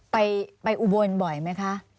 ไปอุบลบ่อยไหมคะ